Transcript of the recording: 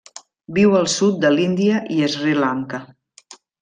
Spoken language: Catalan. Viu al sud de l'Índia i Sri Lanka.